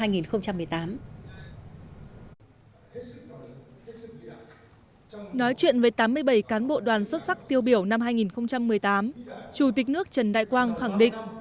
nói chuyện với tám mươi bảy cán bộ đoàn xuất sắc tiêu biểu năm hai nghìn một mươi tám chủ tịch nước trần đại quang khẳng định